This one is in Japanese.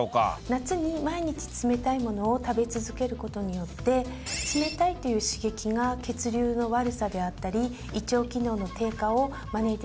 夏に毎日冷たいものを食べ続けることによって冷たいという刺激が血流の悪さであったり胃腸機能の低下を招いてしまいます。